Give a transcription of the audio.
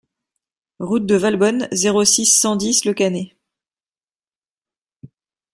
Route de Valbonne, zéro six, cent dix Le Cannet